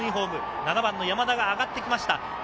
後方から山田が上がってきました。